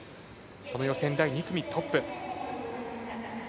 この予選第２組トップ。